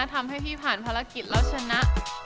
ทำให้พี่ผ่านภารกิจแล้วชนะ